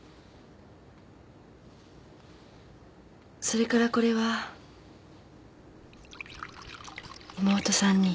それからこれは妹さんに。